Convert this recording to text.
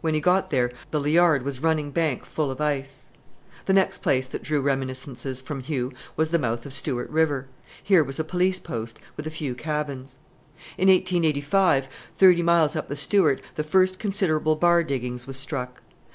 When he got there the Liard was running bank full of ice." The next place that drew reminiscences from Hugh was the mouth of Stewart River. Here was a police post with a few cabins. "In 1885, thirty miles up the Stewart, the first considerable bar diggings was struck.